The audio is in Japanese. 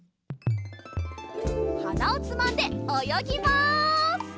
はなをつまんでおよぎます。